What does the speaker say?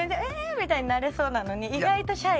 みたいになれそうなのに意外とシャイ？